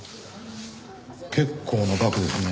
結構な額ですね。